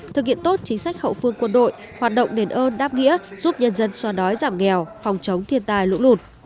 thực hiện tốt chính sách hậu phương quân đội hoạt động nền ơn đáp nghĩa giúp nhân dân soa đói giảm nghèo phòng chống thiên tài lũ lụt